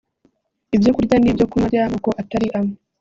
ibyo kurya no kunywa by’amoko atari amwe